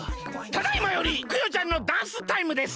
ただいまよりクヨちゃんのダンスタイムです！